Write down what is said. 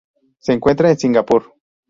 Se encuentra en Singapur.